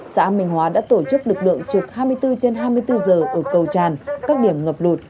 xã minh hóa đã tổ chức lực lượng trực hai mươi bốn trên hai mươi bốn giờ ở cầu tràn các điểm ngập lụt